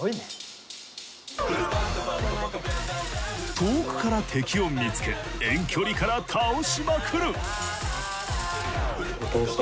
遠くから敵を見つけ遠距離から倒しまくる。